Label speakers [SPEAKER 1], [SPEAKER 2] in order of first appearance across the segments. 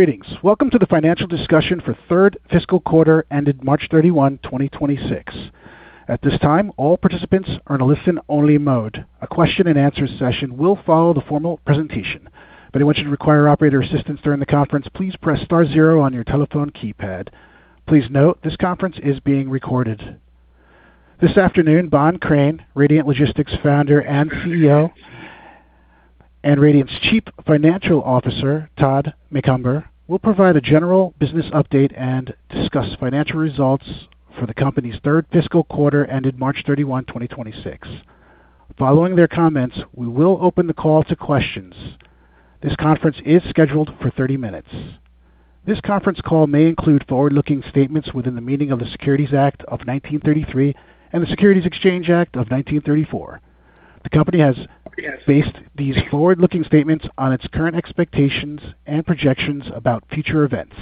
[SPEAKER 1] Greetings. Welcome to the financial discussion for third fiscal quarter ended March 31, 2026. At this time, all participants are in a listen-only mode. A question and answer session will follow the formal presentation. If anyone should require operator assistance during the conference, please press star zero on your telephone keypad. Please note, this conference is being recorded. This afternoon, Bohn Crain, Radiant Logistics Founder and CEO, and Radiant's Chief Financial Officer, Todd Macomber, will provide a general business update and discuss financial results for the company's third fiscal quarter ended March 31, 2026. Following their comments, we will open the call to questions. This conference is scheduled for 30 minutes. This conference call may include forward-looking statements within the meaning of the Securities Act of 1933 and the Securities Exchange Act of 1934. The company has based these forward-looking statements on its current expectations and projections about future events.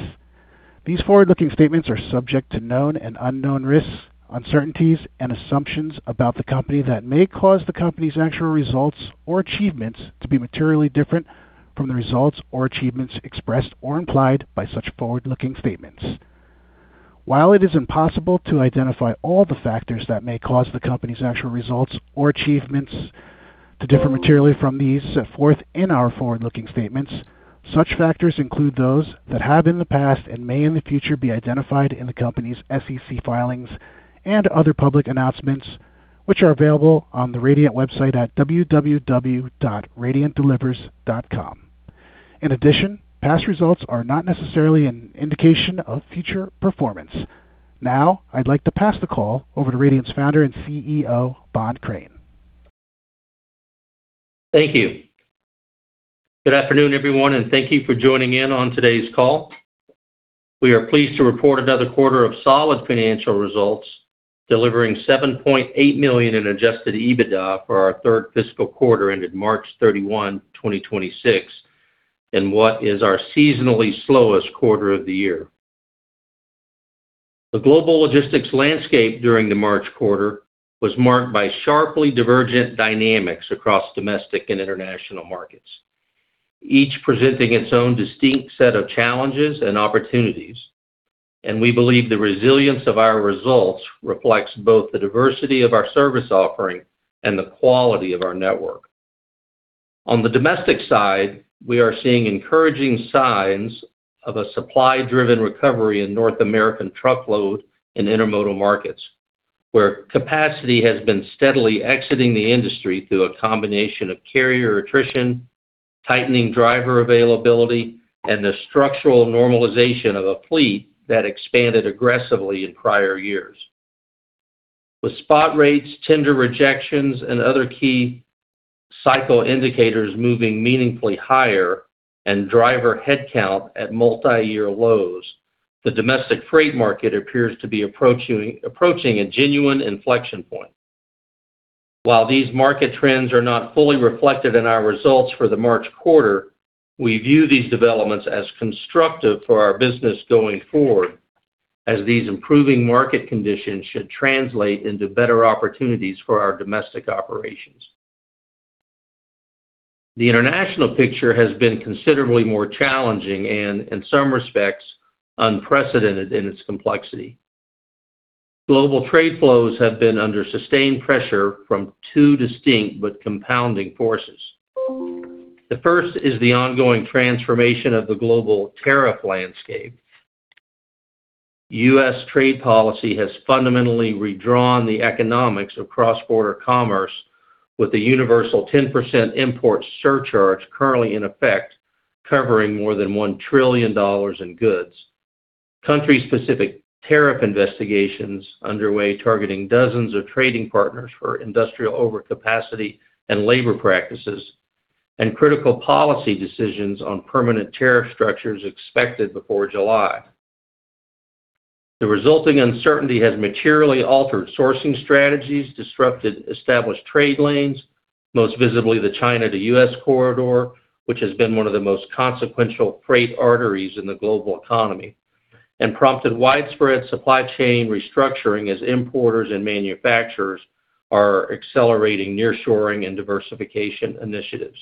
[SPEAKER 1] These forward-looking statements are subject to known and unknown risks, uncertainties, and assumptions about the company that may cause the company's actual results or achievements to be materially different from the results or achievements expressed or implied by such forward-looking statements. While it is impossible to identify all the factors that may cause the company's actual results or achievements to differ materially from these set forth in our forward-looking statements, such factors include those that have in the past and may in the future be identified in the company's SEC filings and other public announcements, which are available on the Radiant website at www.radiantdelivers.com. In addition, past results are not necessarily an indication of future performance. Now, I'd like to pass the call over to Radiant's Founder and CEO, Bohn Crain.
[SPEAKER 2] Thank you. Good afternoon, everyone, and thank you for joining in on today's call. We are pleased to report another quarter of solid financial results, delivering $7.8 million in adjusted EBITDA for our third fiscal quarter ended March 31, 2026, in what is our seasonally slowest quarter of the year. The global logistics landscape during the March quarter was marked by sharply divergent dynamics across domestic and international markets, each presenting its own distinct set of challenges and opportunities. We believe the resilience of our results reflects both the diversity of our service offering and the quality of our network. On the domestic side, we are seeing encouraging signs of a supply-driven recovery in North American truckload and intermodal markets, where capacity has been steadily exiting the industry through a combination of carrier attrition, tightening driver availability, and the structural normalization of a fleet that expanded aggressively in prior years. With spot rates, tender rejections, and other key cycle indicators moving meaningfully higher and driver headcount at multi-year lows, the domestic freight market appears to be approaching a genuine inflection point. While these market trends are not fully reflected in our results for the March quarter, we view these developments as constructive for our business going forward, as these improving market conditions should translate into better opportunities for our domestic operations. The international picture has been considerably more challenging and, in some respects, unprecedented in its complexity. Global trade flows have been under sustained pressure from two distinct but compounding forces. The first is the ongoing transformation of the global tariff landscape. U.S. trade policy has fundamentally redrawn the economics of cross-border commerce, with the universal 10% import surcharge currently in effect covering more than $1 trillion in goods. Country-specific tariff investigations underway targeting dozens of trading partners for industrial overcapacity and labor practices, and critical policy decisions on permanent tariff structures expected before July. The resulting uncertainty has materially altered sourcing strategies, disrupted established trade lanes, most visibly the China to U.S. corridor, which has been one of the most consequential freight arteries in the global economy, and prompted widespread supply chain restructuring as importers and manufacturers are accelerating nearshoring and diversification initiatives.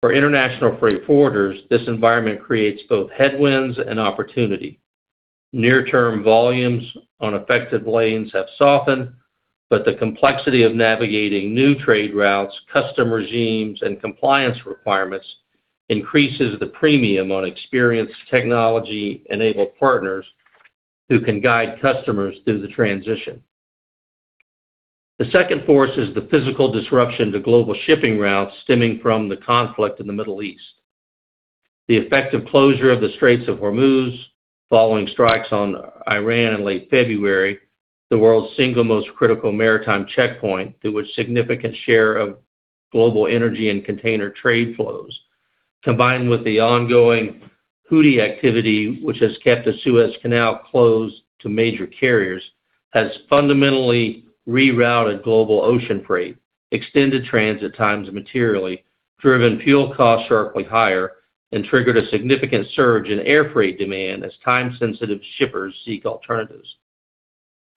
[SPEAKER 2] For international freight forwarders, this environment creates both headwinds and opportunity. Near-term volumes on affected lanes have softened, but the complexity of navigating new trade routes, custom regimes, and compliance requirements increases the premium on experienced technology-enabled partners who can guide customers through the transition. The second force is the physical disruption to global shipping routes stemming from the conflict in the Middle East. The effective closure of the Strait of Hormuz following strikes on Iran in late February, the world's single most critical maritime checkpoint through which significant share of global energy and container trade flows, combined with the ongoing Houthi activity, which has kept the Suez Canal closed to major carriers, has fundamentally rerouted global ocean freight, extended transit times materially, driven fuel costs sharply higher, and triggered a significant surge in air freight demand as time-sensitive shippers seek alternatives.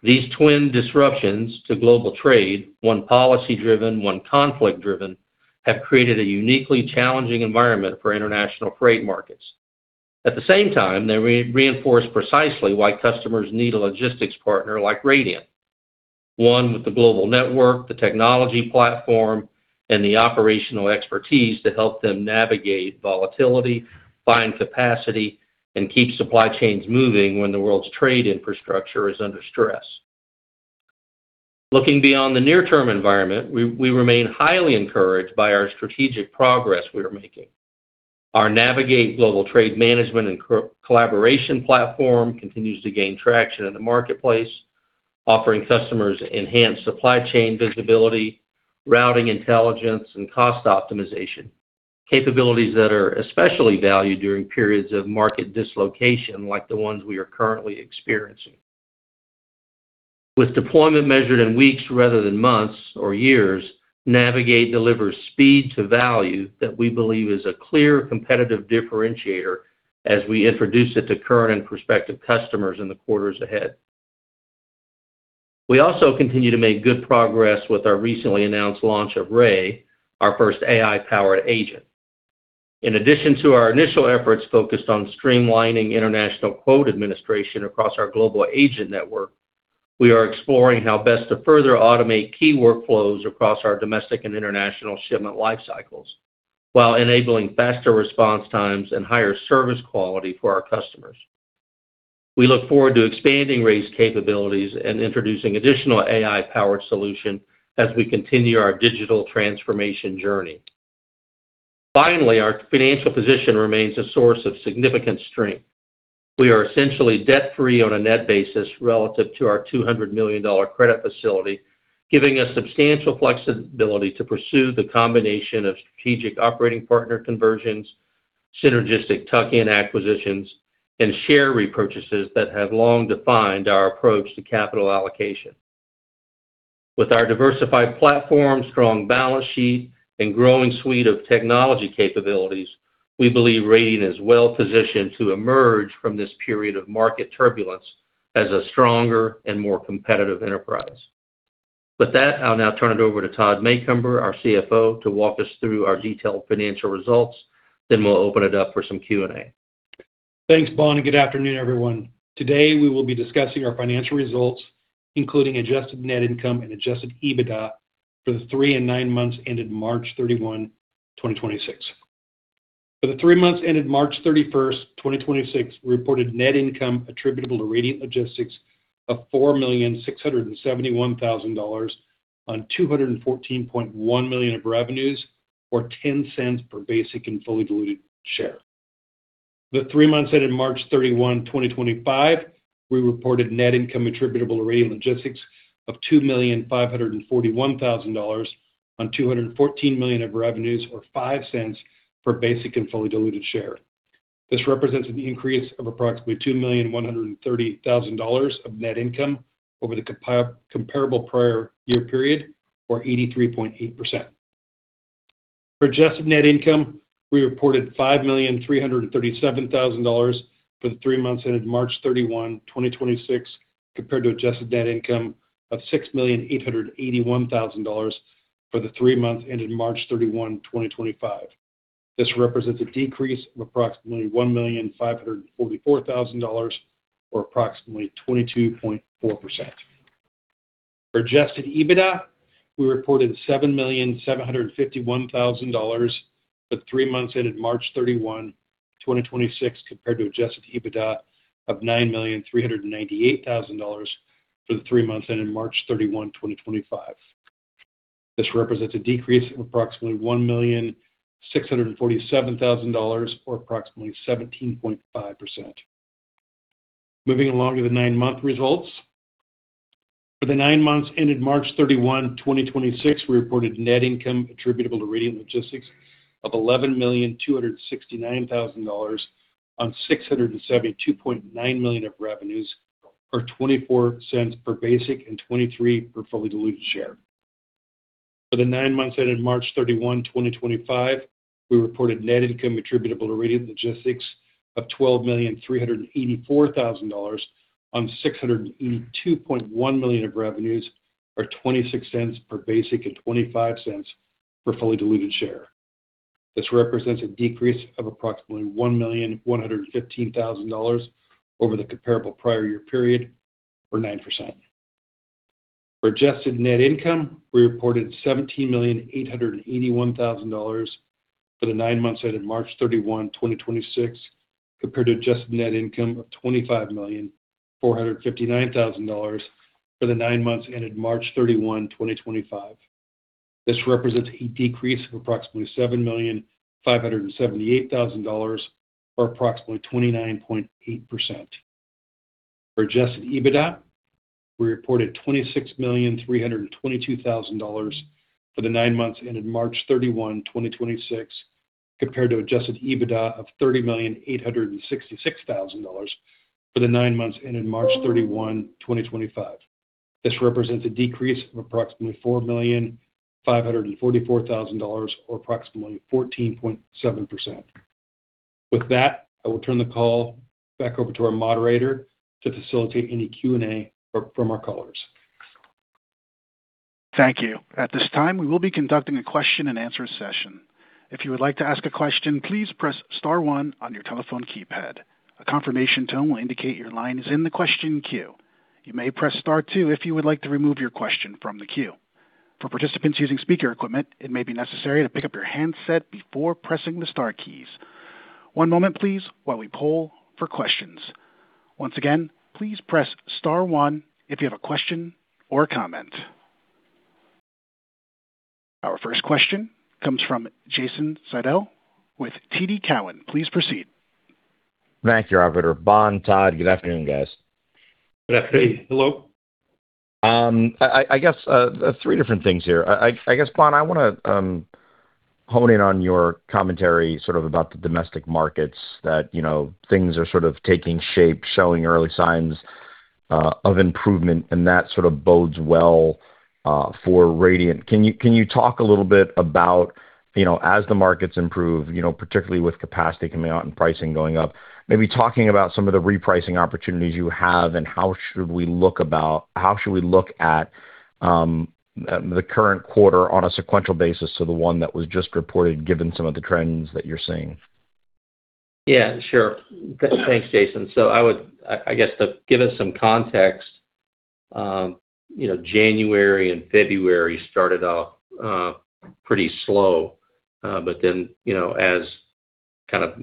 [SPEAKER 2] These twin disruptions to global trade, one policy-driven, one conflict-driven, have created a uniquely challenging environment for international freight markets.At the same time, they reinforce precisely why customers need a logistics partner like Radiant. One with the global network, the technology platform, and the operational expertise to help them navigate volatility, find capacity, and keep supply chains moving when the world's trade infrastructure is under stress. Looking beyond the near-term environment, we remain highly encouraged by our strategic progress we are making. Our Navegate global trade management and collaboration platform continues to gain traction in the marketplace, offering customers enhanced supply chain visibility, routing intelligence, and cost optimization, capabilities that are especially valued during periods of market dislocation like the ones we are currently experiencing. With deployment measured in weeks rather than months or years, Navegate delivers speed to value that we believe is a clear competitive differentiator as we introduce it to current and prospective customers in the quarters ahead. We also continue to make good progress with our recently announced launch of Ray, our first AI-powered agent. In addition to our initial efforts focused on streamlining international quote administration across our global agent network, we are exploring how best to further automate key workflows across our domestic and international shipment life cycles, while enabling faster response times and higher service quality for our customers. We look forward to expanding Ray's capabilities and introducing additional AI-powered solution as we continue our digital transformation journey. Finally, our financial position remains a source of significant strength. We are essentially debt-free on a net basis relative to our $200 million credit facility, giving us substantial flexibility to pursue the combination of strategic operating partner conversions, synergistic tuck-in acquisitions, and share repurchases that have long defined our approach to capital allocation. With our diversified platform, strong balance sheet, and growing suite of technology capabilities, we believe Radiant is well-positioned to emerge from this period of market turbulence as a stronger and more competitive enterprise. With that, I'll now turn it over to Todd Macomber, our CFO, to walk us through our detailed financial results, then we'll open it up for some Q&A.
[SPEAKER 3] Thanks, Bohn, good afternoon, everyone. Today, we will be discussing our financial results, including adjusted net income and adjusted EBITDA for the three and nine months ended March 31, 2026. For the three months ended March 31st, 2026, we reported net income attributable to Radiant Logistics of $4,671,000 on $214.1 million of revenues, or $0.10 per basic and fully diluted share. The three months ended March 31, 2025, we reported net income attributable to Radiant Logistics of $2,541,000 on $214 million of revenues, or $0.05 per basic and fully diluted share. This represents an increase of approximately $2,130,000 of net income over the comparable prior year period, or 83.8%. For adjusted net income, we reported $5,337,000 for the three months ended March 31, 2026, compared to adjusted net income of $6,881,000 for the three months ended March 31, 2025. This represents a decrease of approximately $1,544,000, or approximately 22.4%. For adjusted EBITDA, we reported $7,751,000 for the three months ended March 31, 2026, compared to adjusted EBITDA of $9,398,000 for the three months ended March 31, 2025. This represents a decrease of approximately $1,647,000 or approximately 17.5%. Moving along to the nine-month results. For the nine months ended March 31, 2026, we reported net income attributable to Radiant Logistics of $11,269,000 on $672.9 million of revenues, or $0.24 per basic and $0.23 per fully diluted share. For the nine months ended March 31, 2025, we reported net income attributable to Radiant Logistics of $12,384,000 on $682.1 million of revenues, or $0.26 per basic and $0.25 per fully diluted share. This represents a decrease of approximately $1,115,000 over the comparable prior year period, or 9%. For adjusted net income, we reported $17,881,000 for the nine months ended March 31, 2026, compared to adjusted net income of $25,459,000 for the nine months ended March 31, 2025. This represents a decrease of approximately $7,578,000, or approximately 29.8%. For adjusted EBITDA, we reported $26,322,000 for the nine months ended March 31, 2026, compared to adjusted EBITDA of $30,866,000 for the nine months ended March 31, 2025. This represents a decrease of approximately $4,544,000 or approximately 14.7%. With that, I will turn the call back over to our moderator to facilitate any Q&A from our callers.
[SPEAKER 1] Thank you. At this time, we will be conducting a question and answer session. If you would like to ask a question, please press star one on your telephone keypad. A confirmation tone will indicate your line is in the question queue. You may press star two if you would like to remove your question from the queue. For participants using speaker equipment, it may be necessary to pick up your handset before pressing the star keys. One moment, please, while we poll for questions. Once again, please press star one if you have a question or comment. Our first question comes from Jason Seidl with TD Cowen. Please proceed.
[SPEAKER 4] Thank you, operator. Bohn, Todd, good afternoon, guys.
[SPEAKER 2] Good afternoon.
[SPEAKER 3] Hello.
[SPEAKER 4] I guess three different things here. I guess, Bohn, I wanna hone in on your commentary sort of about the domestic markets that, you know, things are sort of taking shape, showing early signs of improvement, and that sort of bodes well for Radiant. Can you talk a little bit about, you know, as the markets improve, you know, particularly with capacity coming out and pricing going up, maybe talking about some of the repricing opportunities you have and how should we look at the current quarter on a sequential basis to the one that was just reported, given some of the trends that you're seeing?
[SPEAKER 2] Yeah, sure. Thanks, Jason. I guess to give us some context, you know, January and February started off pretty slow. You know, as kind of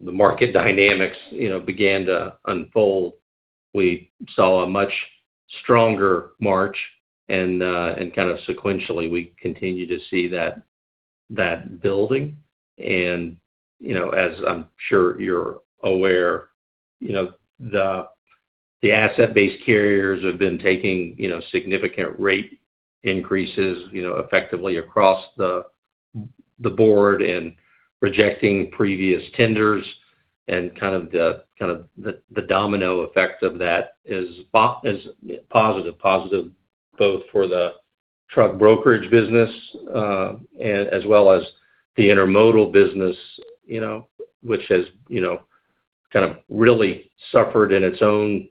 [SPEAKER 2] the market dynamics, you know, began to unfold, we saw a much stronger March and kind of sequentially, we continue to see that building. You know, as I'm sure you're aware, you know, the asset-based carriers have been taking, you know, significant rate increases, you know, effectively across the board and rejecting previous tenders and kind of the domino effect of that is positive. Positive both for the truck brokerage business, as well as the intermodal business, you know, which has, you know, kind of really suffered in its own, you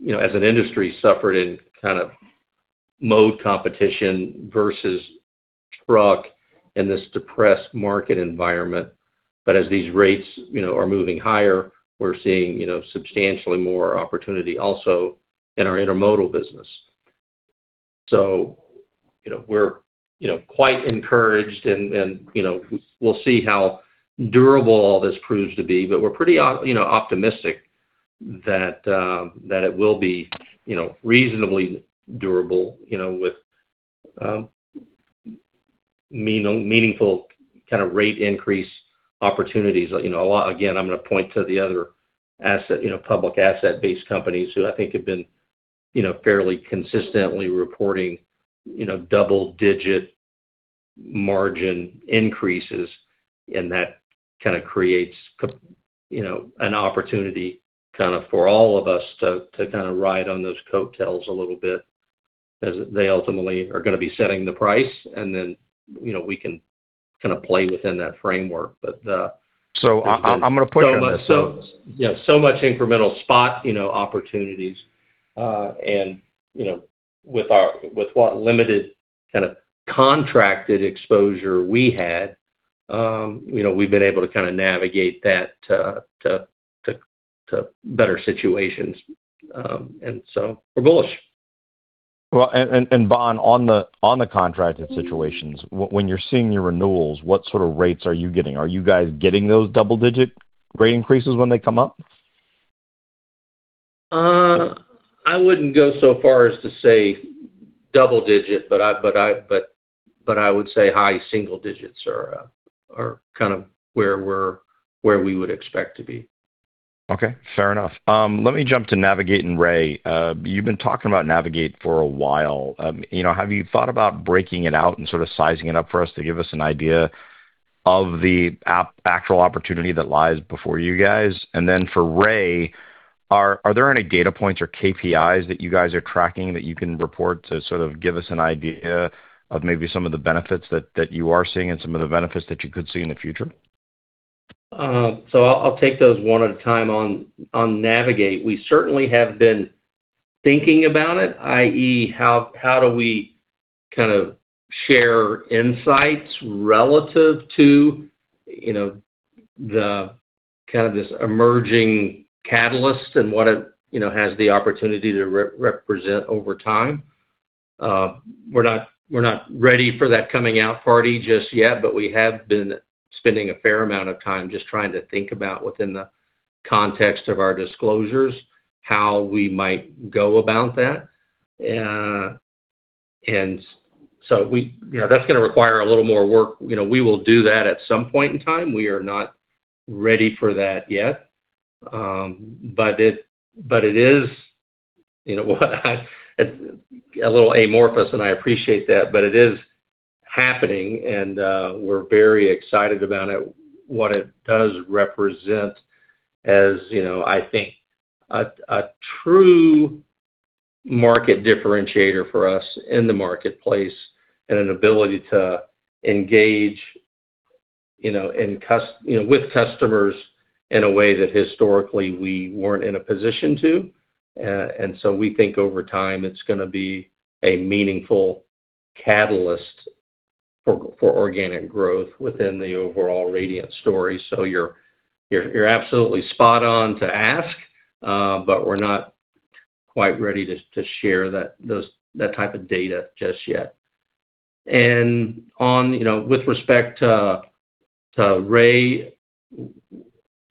[SPEAKER 2] know, as an industry suffered in kind of mode competition versus truck in this depressed market environment. As these rates, you know, are moving higher, we're seeing, you know, substantially more opportunity also in our intermodal business. You know, we're, you know, quite encouraged and, you know, we'll see how durable all this proves to be, but we're pretty, you know, optimistic that it will be, you know, reasonably durable, you know, with meaningful kind of rate increase opportunities. You know, a lot Again, I'm gonna point to the other asset, you know, public asset-based companies who I think have been, you know, fairly consistently reporting, you know, double-digit margin increases, and that kind of creates you know, an opportunity kind of for all of us to kind of ride on those coattails a little bit as they ultimately are gonna be setting the price and then, you know, we can kind of play within that framework.
[SPEAKER 4] I'm gonna.
[SPEAKER 2] So much, you know, so much incremental spot, you know, opportunities. You know, with our, with what limited kind of contracted exposure we had, you know, we've been able to kind of navigate that to better situations. We're bullish.
[SPEAKER 4] Well, Bohn, on the contracted situations, when you're seeing your renewals, what sort of rates are you getting? Are you guys getting those double-digit rate increases when they come up?
[SPEAKER 2] I wouldn't go so far as to say double-digit, but I would say high single-digits are kind of where we would expect to be.
[SPEAKER 4] Okay, fair enough. Let me jump to Navegate and Ray. You've been talking about Navegate for a while. You know, have you thought about breaking it out and sort of sizing it up for us to give us an idea of the actual opportunity that lies before you guys? Then for Ray, are there any data points or KPIs that you guys are tracking that you can report to sort of give us an idea of maybe some of the benefits that you are seeing and some of the benefits that you could see in the future?
[SPEAKER 2] I'll take those one at a time. On Navegate, we certainly have been thinking about it, i.e., how do we kind of share insights relative to, you know, the kind of this emerging catalyst and what it, you know, has the opportunity to re-represent over time. We're not ready for that coming out party just yet, but we have been spending a fair amount of time just trying to think about within the context of our disclosures, how we might go about that. You know, that's gonna require a little more work. You know, we will do that at some point in time. We are not ready for that yet. It is, you know, a little amorphous, and I appreciate that, but it is happening, and we're very excited about it, what it does represent as, you know, I think a true market differentiator for us in the marketplace and an ability to engage, you know, with customers in a way that historically we weren't in a position to. We think over time it's gonna be a meaningful catalyst for organic growth within the overall Radiant story. You're absolutely spot on to ask, but we're not quite ready to share that type of data just yet. You know, with respect to Ray,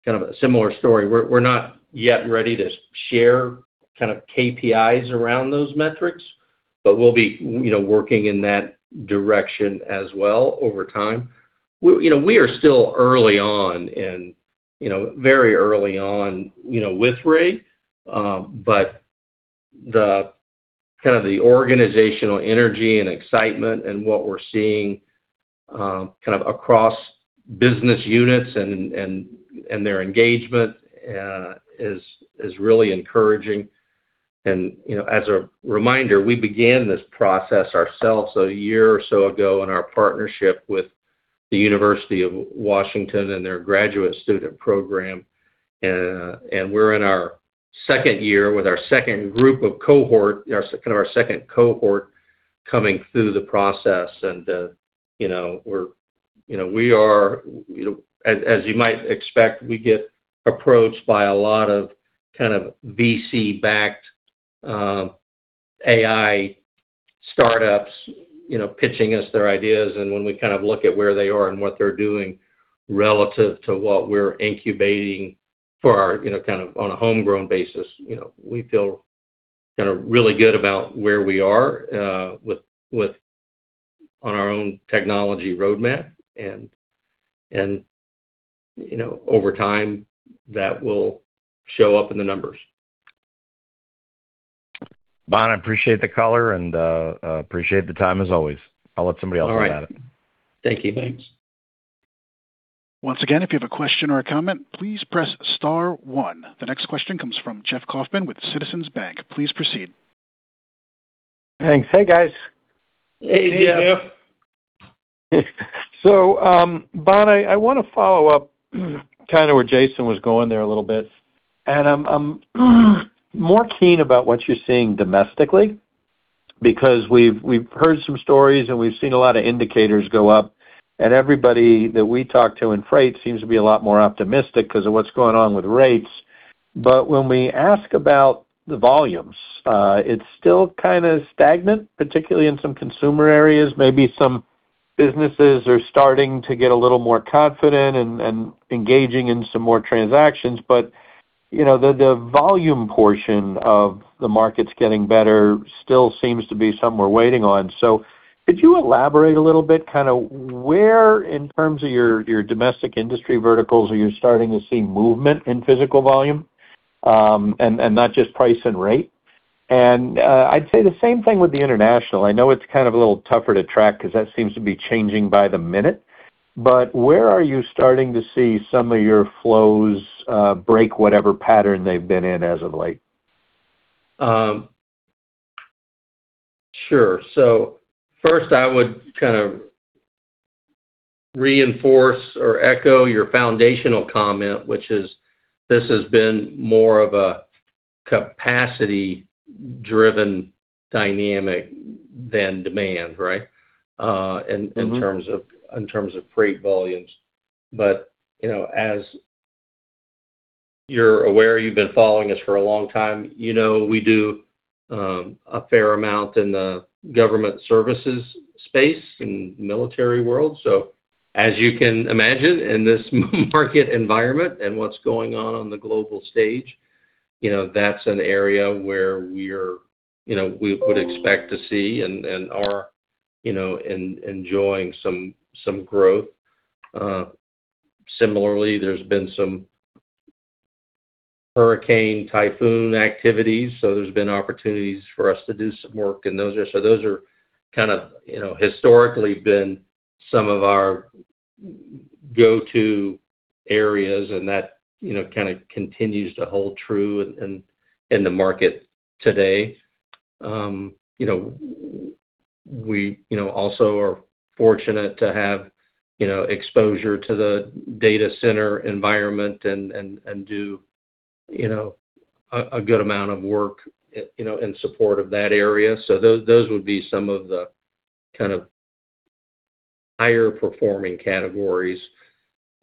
[SPEAKER 2] kind of a similar story. We're not yet ready to share kind of KPIs around those metrics, but we'll be, you know, working in that direction as well over time. We, you know, we are still early on and, you know, very early on, you know, with Ray. But the kind of the organizational energy and excitement and what we're seeing, kind of across business units and their engagement, is really encouraging. You know, as a reminder, we began this process ourselves a year or so ago in our partnership with the University of Washington and their graduate student program. And we're in our second year with our second group of cohort, our second cohort coming through the process. You know, we're, you know, we are, you know, as you might expect, we get approached by a lot of kind of VC-backed AI startups, you know, pitching us their ideas. When we kind of look at where they are and what they're doing relative to what we're incubating for our, you know, kind of on a homegrown basis, you know, we feel kind of really good about where we are on our own technology roadmap. You know, over time, that will show up in the numbers.
[SPEAKER 4] Bohn, I appreciate the color and appreciate the time as always. I'll let somebody else have at it.
[SPEAKER 2] All right. Thank you. Thanks.
[SPEAKER 1] Once again, if you have a question or a comment, please press star one. The next question comes from [Jeff Kauffman] with Citizens Bank. Please proceed.
[SPEAKER 5] Thanks. Hey, guys.
[SPEAKER 2] Hey, Jeff.
[SPEAKER 3] Hey, Jeff.
[SPEAKER 5] Bohn, I wanna follow up kind of where Jason was going there a little bit. I'm more keen about what you're seeing domestically because we've heard some stories, and we've seen a lot of indicators go up. Everybody that we talk to in freight seems to be a lot more optimistic 'cause of what's going on with rates. When we ask about the volumes, it's still kinda stagnant, particularly in some consumer areas. Maybe some businesses are starting to get a little more confident and engaging in some more transactions, you know, the volume portion of the market's getting better still seems to be something we're waiting on. Could you elaborate a little bit kinda where in terms of your domestic industry verticals are you starting to see movement in physical volume, and not just price and rate? I'd say the same thing with the international. I know it's kind of a little tougher to track 'cause that seems to be changing by the minute. Where are you starting to see some of your flows, break whatever pattern they've been in as of late?
[SPEAKER 2] Sure. First, I would kind of reinforce or echo your foundational comment, which is this has been more of a capacity-driven dynamic than demand, right? In terms of freight volumes. You know, as you're aware, you've been following us for a long time, you know we do a fair amount in the government services space and military world. As you can imagine, in this market environment and what's going on on the global stage, you know, that's an area where we're, you know, we would expect to see and are, you know, enjoying some growth. Similarly, there's been some hurricane, typhoon activities, so there's been opportunities for us to do some work, so those are kind of, you know, historically been some of our go-to areas and that, you know, kind of continues to hold true in the market today. You know, we, you know, also are fortunate to have, you know, exposure to the data center environment and, and do, you know, a good amount of work, you know, in support of that area. Those, those would be some of the kind of higher performing categories.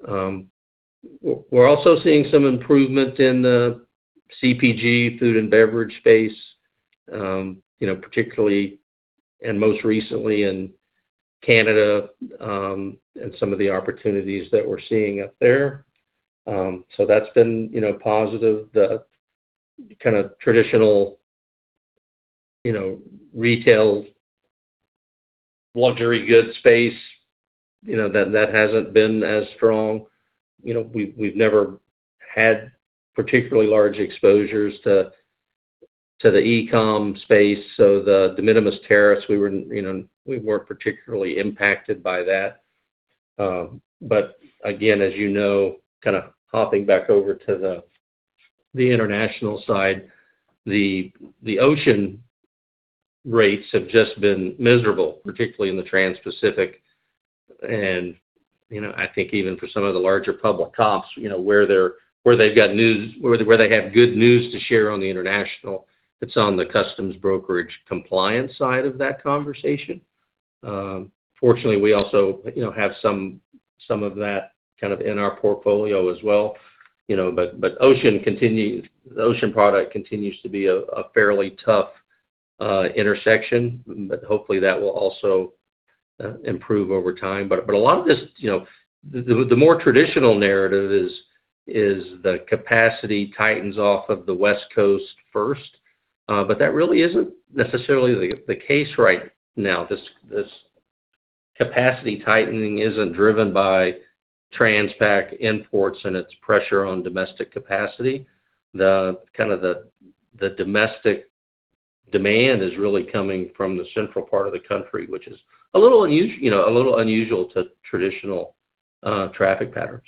[SPEAKER 2] We're also seeing some improvement in the CPG food and beverage space, you know, particularly and most recently in Canada, and some of the opportunities that we're seeing up there. That's been, you know, positive. The kind of traditional, you know, retail luxury goods space, you know, that hasn't been as strong. You know, we've never had particularly large exposures to the e-com space, so the de minimis tariffs, we weren't, you know, we weren't particularly impacted by that. Again, as you know, kinda hopping back over to the international side, the ocean rates have just been miserable, particularly in the Trans-Pacific. You know, I think even for some of the larger public comps, you know, where they have good news to share on the international, it's on the customs brokerage compliance side of that conversation. Fortunately, we also, you know, have some of that kind of in our portfolio as well, you know. The ocean product continues to be a fairly tough intersection, hopefully, that will also improve over time. A lot of this, you know, the more traditional narrative is the capacity tightens off of the West Coast first. That really isn't necessarily the case right now. This capacity tightening isn't driven by Trans-Pac imports and its pressure on domestic capacity. The kind of the domestic demand is really coming from the central part of the country, which is a little unusual to traditional traffic patterns.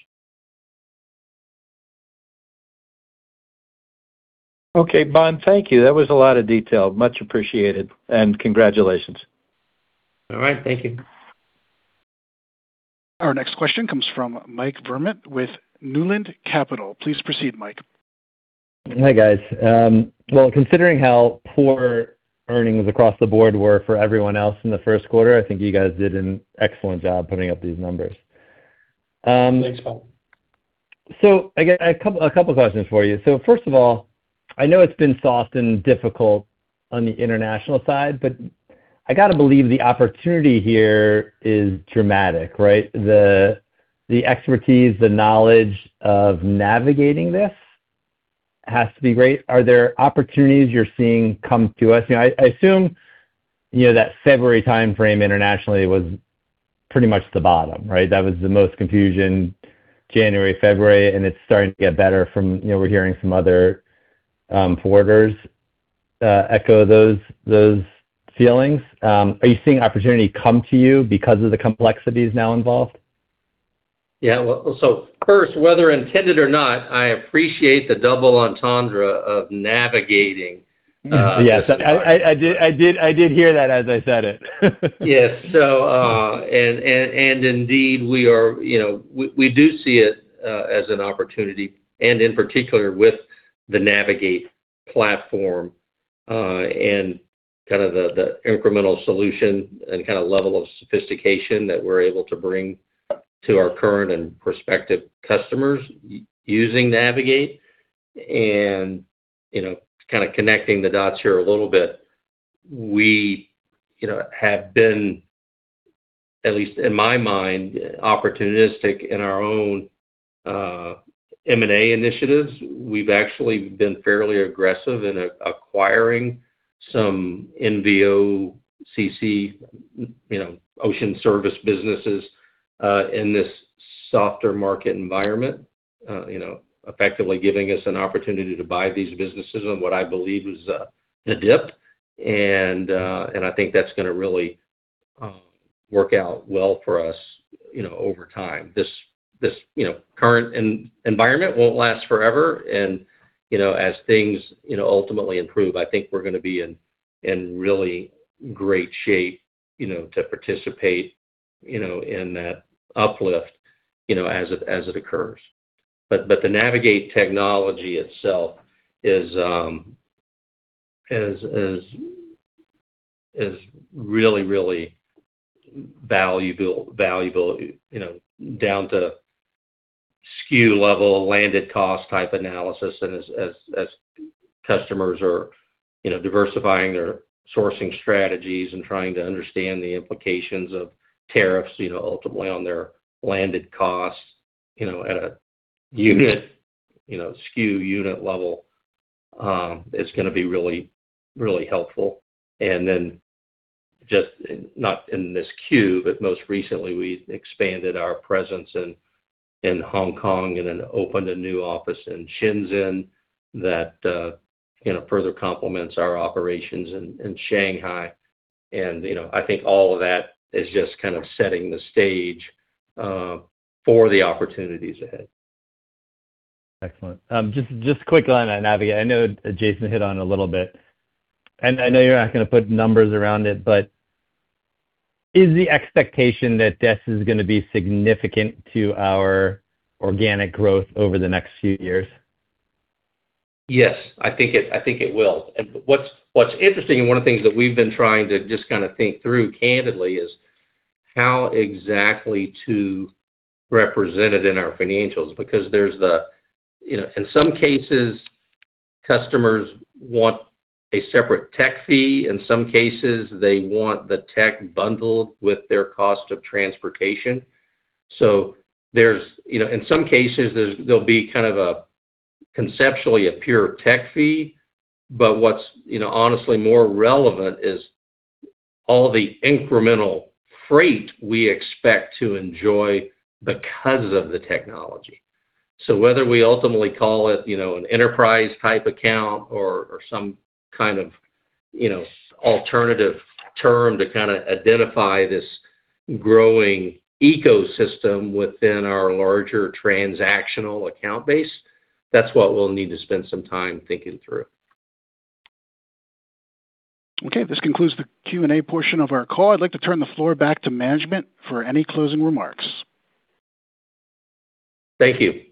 [SPEAKER 5] Okay, Bohn, thank you. That was a lot of detail. Much appreciated, and congratulations.
[SPEAKER 2] All right. Thank you.
[SPEAKER 1] Our next question comes from Mike Vermut with Newland Capital. Please proceed, Mike.
[SPEAKER 6] Hi, guys. Well, considering how poor earnings across the board were for everyone else in the first quarter, I think you guys did an excellent job putting up these numbers.
[SPEAKER 2] Thanks, Mike.
[SPEAKER 6] A couple questions for you. First of all, I know it's been soft and difficult on the international side, but I gotta believe the opportunity here is dramatic, right? The expertise, the knowledge of navigating this has to be great. Are there opportunities you're seeing come to us? You know, I assume, you know, that February timeframe internationally was pretty much the bottom, right? That was the most confusion, January, February, and it's starting to get better from, you know, we're hearing some other forwarders echo those feelings. Are you seeing opportunity come to you because of the complexities now involved?
[SPEAKER 2] Yeah. Well, first, whether intended or not, I appreciate the double entendre of navigating.
[SPEAKER 6] Yes, I did hear that, As I said it.
[SPEAKER 2] Yes. Indeed we are, you know, we do see it as an opportunity, and in particular with the Navegate platform, and kind of the incremental solution and kind of level of sophistication that we're able to bring to our current and prospective customers using Navegate. You know, kind of connecting the dots here a little bit, we, you know, have been, at least in my mind, opportunistic in our own M&A initiatives. We've actually been fairly aggressive in acquiring some NVOCC, you know, ocean service businesses in this softer market environment, you know, effectively giving us an opportunity to buy these businesses on what I believe is a dip. I think that's gonna really work out well for us, you know, over time. This, you know, current environment won't last forever, you know, as things, you know, ultimately improve, I think we're gonna be in really great shape, you know, to participate, you know, in that uplift, you know, as it occurs. The Navegate technology itself is really valuable, you know, down to SKU level, landed cost type analysis. As customers are, you know, diversifying their sourcing strategies and trying to understand the implications of tariffs, you know, ultimately on their landed costs, you know, at a unit, you know, SKU unit level, it's gonna be really helpful. Then just, not in this queue, but most recently we expanded our presence in Hong Kong and then opened a new office in Shenzhen that, you know, further complements our operations in Shanghai. You know, I think all of that is just kind of setting the stage for the opportunities ahead.
[SPEAKER 6] Excellent. Just quick line on Navegate. I know Jason hit on it a little bit, and I know you're not gonna put numbers around it, but is the expectation that this is gonna be significant to our organic growth over the next few years?
[SPEAKER 2] Yes. I think it will. What's interesting, and one of the things that we've been trying to just kind of think through candidly is how exactly to represent it in our financials because there's the, you know, in some cases, customers want a separate tech fee. In some cases, they want the tech bundled with their cost of transportation. There's, you know, in some cases there'll be kind of a conceptually a pure tech fee. What's, you know, honestly more relevant is all the incremental freight we expect to enjoy because of the technology. Whether we ultimately call it, you know, an enterprise type account or some kind of, you know, alternative term to kind of identify this growing ecosystem within our larger transactional account base, that's what we'll need to spend some time thinking through.
[SPEAKER 1] Okay, this concludes the Q&A portion of our call. I'd like to turn the floor back to management for any closing remarks.
[SPEAKER 2] Thank you.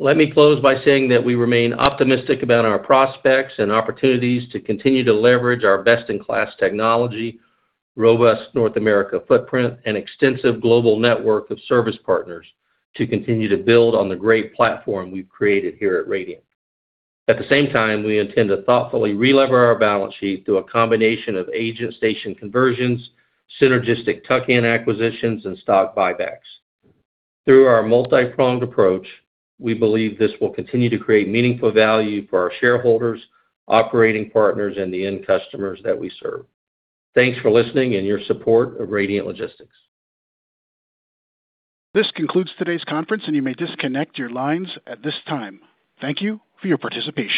[SPEAKER 2] Let me close by saying that we remain optimistic about our prospects and opportunities to continue to leverage our best-in-class technology, robust North America footprint and extensive global network of service partners to continue to build on the great platform we've created here at Radiant. At the same time, we intend to thoughtfully relever our balance sheet through a combination of agent station conversions, synergistic tuck-in acquisitions and stock buybacks. Through our multi-pronged approach, we believe this will continue to create meaningful value for our shareholders, operating partners and the end customers that we serve. Thanks for listening and your support of Radiant Logistics.
[SPEAKER 1] This concludes today's conference, and you may disconnect your lines at this time. Thank you for your participation.